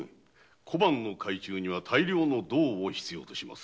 小判の改鋳には大量の銅を必要とします。